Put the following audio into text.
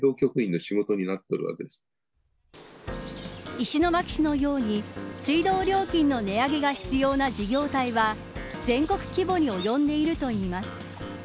石巻市のように水道料金の値上げが必要な事業体は全国規模におよんでいるといいます。